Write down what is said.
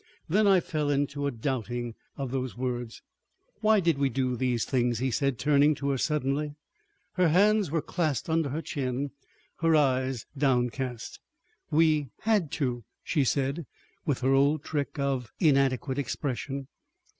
Then I fell into a doubting of those words. "Why did we do these things?" he said, turning to her suddenly. Her hands were clasped under her chin, her eyes downcast. "We had to," she said, with her old trick of inadequate expression.